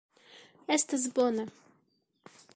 Estas bone!